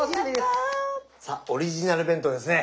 さあオリジナル弁当ですね。